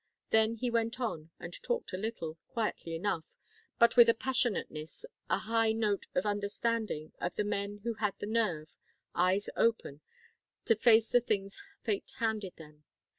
Then he went on and talked a little, quietly enough, but with a passionateness, a high note of understanding, of the men who had had the nerve eyes open to face the things fate handed them.